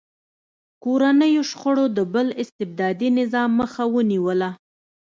کورنیو شخړو د بل استبدادي نظام مخه ونیوله.